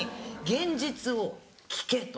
現実を聴けと。